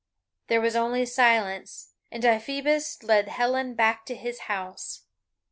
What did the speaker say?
There was only silence, and Deiphobus led Helen back to his house.